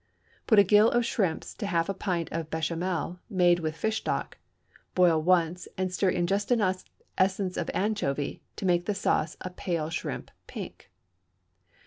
Put a gill of shrimps to half a pint of béchamel made with fish stock, boil once, and stir in just enough essence of anchovy to make the sauce a pale shrimp pink.